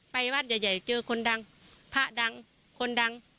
ไปวัดใหญ่ใหญ่เจอคนดังผ้าดังคนดัง